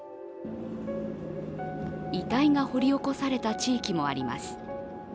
遺体が掘り起こされた地域もあります。